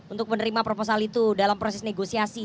untuk menerima proposal itu dalam proses negosiasi